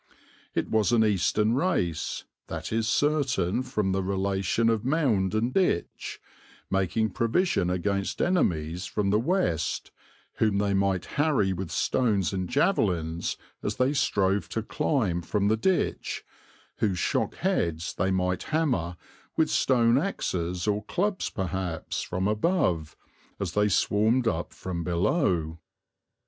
It was an Eastern race, that is certain from the relation of mound and ditch, making provision against enemies from the West, whom they might harry with stones and javelins as they strove to climb from the ditch, whose shock heads they might hammer, with stone axes or clubs perhaps, from above, as they swarmed up from below.